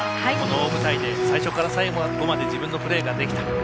この大舞台で最初から最後まで自分のプレーができた。